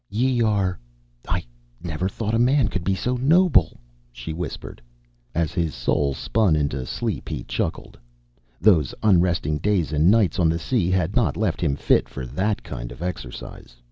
"Ye are ... I never thought man could be so noble," she whispered. Cappen mumbled something. As his soul spun into sleep, he chuckled. Those unresting days and nights on the sea had not left him fit for that kind of exercise.